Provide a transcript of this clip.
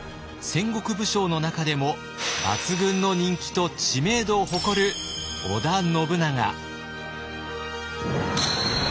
戦国武将の中でも抜群の人気と知名度を誇る織田信長。